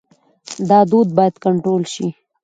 دا دود باید کنټرول شي.